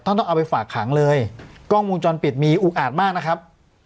ต้องเอาไปฝากขังเลยกล้องวงจรปิดมีอุกอาจมากนะครับ